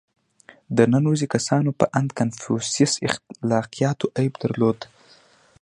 • د نن ورځې کسانو په اند کنفوسیوس اخلاقیاتو عیب درلود.